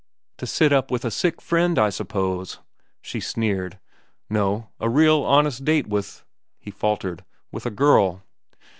"To sit up with a sick friend, I suppose?" she sneered. "No, a real, honest date with—" he faltered, "with a girl."